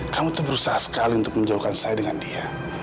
kamu tuh berusaha sekali untuk menjauhkan saya dengan dia